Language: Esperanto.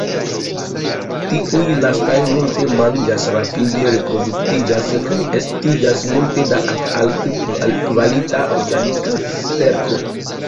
Tiuj lastaj multe manĝas, rapide reproduktiĝas kaj estigas multe da altkvalita organika sterko.